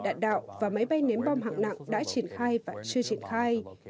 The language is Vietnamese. tên lửa đạn đạo và máy bay ném bom hạng nặng đã triển khai và chưa triển khai